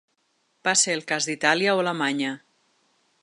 Va ser el cas d’Itàlia o Alemanya.